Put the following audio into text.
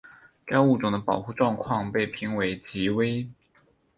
该物种的保护状况被评为极危。